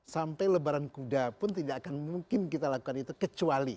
sampai lebaran kuda pun tidak akan mungkin kita lakukan itu kecuali